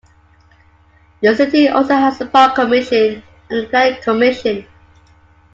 The city also has a park commission and a planning commission.